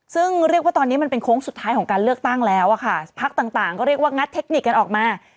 ซึ่งเรียกว่าตอนนี้มันเป็นโค้งสุดท้ายของการเลือกตั้งแล้วอะค่ะพักต่างก็เรียกว่างัดเทคนิคกันออกมา